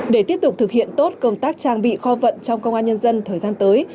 để tiếp tục thực hiện tốt công tác trang bị kho vận trong công an nhân dân thời gian tới